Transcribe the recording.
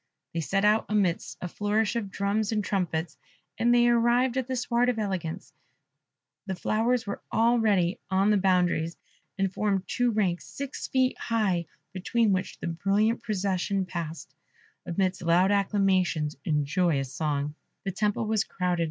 They set out amidst a flourish of drums and trumpets, and they arrived at the Sward of Eloquence: the flowers were already on the boundaries, and formed two ranks six feet high, between which the brilliant procession passed, amidst loud acclamations and joyous songs. The temple was crowded.